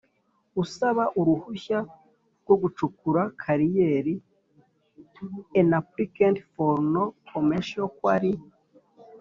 Usaba uruhushya rwo gucukura kariyeri An applicant for a non commercial quarry